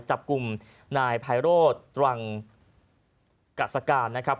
จับกลุ่มนายไพโรธตรังกัสการนะครับ